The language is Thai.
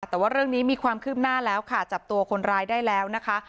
แต่ว่าเรื่องนี้มีความคืบหน้าแล้วค่ะจับตัวคนร้ายได้แล้วนะคะ